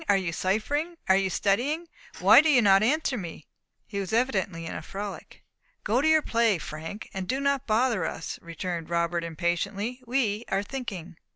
are you ciphering? are you studying? Why do you not answer me?" He was evidently in a frolic. "Go to your play, Frank, and do not bother us," returned Robert, impatiently; "we are thinking."